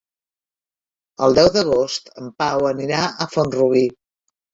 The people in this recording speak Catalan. El deu d'agost en Pau anirà a Font-rubí.